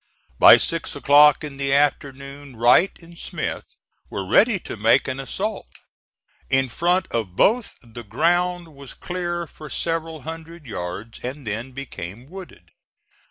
By six o'clock in the afternoon Wright and Smith were ready to make an assault. In front of both the ground was clear for several hundred yards and then became wooded.